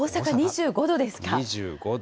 ２５度。